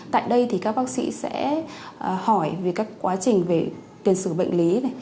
tại đây thì các bác sĩ sẽ hỏi về các quá trình về tiền sử bệnh lý